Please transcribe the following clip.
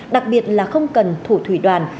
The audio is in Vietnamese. đặc biệt là không cần thủ thủy đoạn